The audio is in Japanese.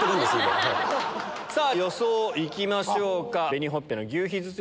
さぁ予想行きましょうか。